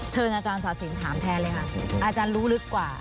เชิญอาจารย์ศาสินถามแทนเลยค่ะอาจารย์รู้ลึกกว่า